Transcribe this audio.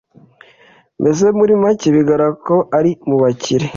mbese muri make bigaragara ko ari mubakire